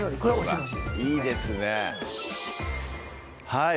はい